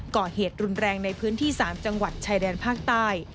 ก่อเหตุรุนแรงในพื้นที่๓จังหวัดชายแดนภาคใต้